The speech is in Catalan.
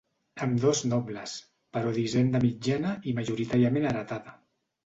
Ambdós nobles, però d'hisenda mitjana i majoritàriament heretada.